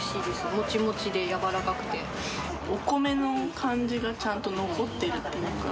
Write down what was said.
もちもちで柔らかくて、お米の感じがちゃんと残っているっていうか。